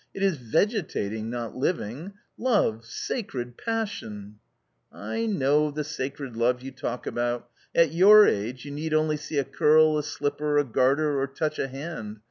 " It is vegetating, not living ! Love — sacred passion !"" I know the sacred love you talk about ; at your age, you need only see a curl, a slipper, a garter, or touch a hand